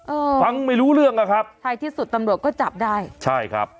เออฟังไม่รู้เรื่องอะครับท้ายที่สุดตำรวจก็จับได้ใช่ครับ